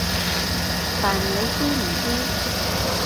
但你知唔知？